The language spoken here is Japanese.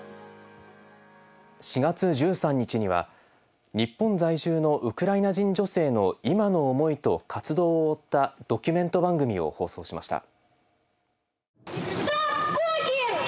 ４月１３日には日本在住のウクライナ人女性の今の思いと活動を追ったドキュメント番組を放送しました。